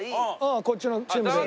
こっちのチームでやろう。